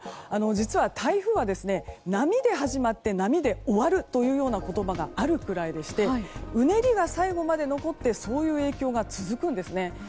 実は、台風は波で始まって波で終わるという言葉があるくらいでしてうねりが最後まで残ってそういう影響が続くんですね。